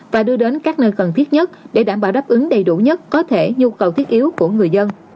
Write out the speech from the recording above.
và đưa đến các nơi cần thiết nhất để đảm bảo đáp ứng đầy đủ nhất có thể nhu cầu thiết yếu của người dân